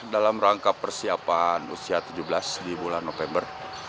saya merangkap persiapan usia tujuh belas di bulan november